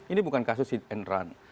ini bukan kasus hit and run